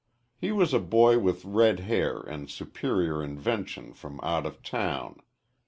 He was a boy with red hair and superior invention from out of town.